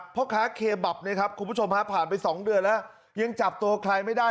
พ่อค้าเคบับผ่านไป๒เดือนแล้วยังจับตัวใครไม่ได้